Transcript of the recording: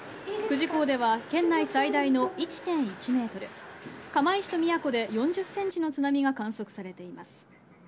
久慈港では県内最大の１．１メートル、釜石と宮古で４０センチの津波が観測されています。